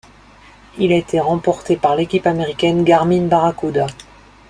Il a été remporté par l'équipe américaine Garmin-Barracuda.